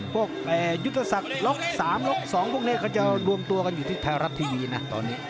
พวกยุทธศักดิ์ล็อก๓ล็อก๒พวกนี้เขาจะรวมตัวกันอยู่ที่ไทยรัฐทีวีนะตอนนี้